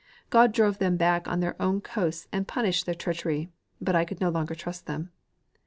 God drove them back on their own coasts and punished their treachery, but I could no longer trust them."